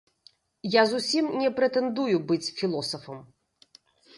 Я зусім не прэтэндую быць філосафам.